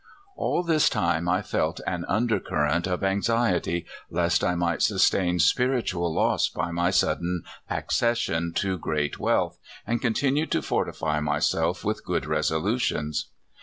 All this time I felt an under current of anxiety lest I might sustain spiritual loss by my sudden accession to great wealth, and continued to fortify myself with good resolutions.